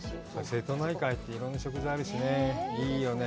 瀬戸内海って、いろんな食材があるしね、いいよね。